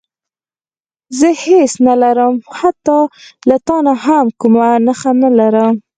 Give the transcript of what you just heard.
زه هېڅ نه لرم حتی له تا نه هم کومه نښه نه لرم.